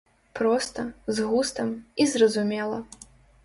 Проста, з густам і зразумела.